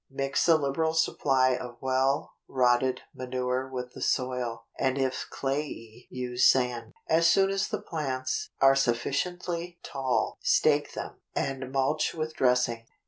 Mix a liberal supply of well rotted manure with the soil, and if clayey, use sand. As soon as the plants are sufficiently tall stake them, and mulch with dressing.